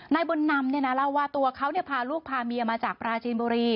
นายบุญนำเนี่ยนะเล่าว่าตัวเขาเนี่ยพาลูกพาเมียมาจากปราจินบุรี